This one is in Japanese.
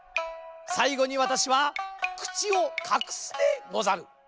さいごにわたしはくちをかくすでござる。